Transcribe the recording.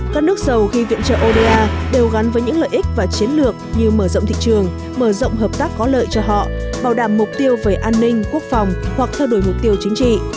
các nước dầu khi viện trợ oda đều gắn với những lợi ích và chiến lược như mở rộng thị trường mở rộng hợp tác có lợi cho họ bảo đảm mục tiêu về an ninh quốc phòng hoặc theo đuổi mục tiêu chính trị